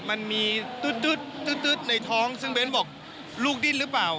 มันมีตึ๊ดในท้องซึ่งเบ้นบอกลูกดิ้นหรือเปล่า